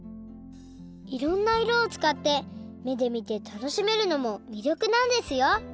いろんないろをつかってめでみて楽しめるのもみりょくなんですよ